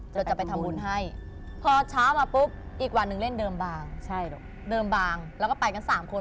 เราจะไปทำบุญให้พอเช้ามาปุ๊บอีกวันหนึ่งเล่นเดิมบางเดิมบางแล้วก็ไปกัน๓คน